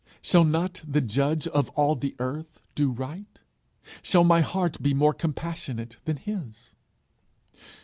Shall not the judge of all the earth do right? Shall my heart be more compassionate than his?